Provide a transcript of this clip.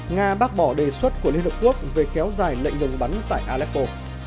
nga bác bỏ đề xuất của liên hợp quốc về kéo dài lệnh ngừng bắn tại aleppo